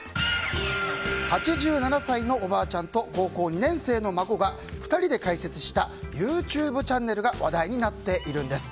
８７歳のおばあちゃんと高校２年生の孫が２人で開設したＹｏｕＴｕｂｅチャンネルが話題になっているんです。